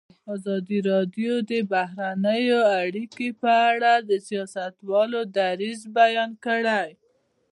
ازادي راډیو د بهرنۍ اړیکې په اړه د سیاستوالو دریځ بیان کړی.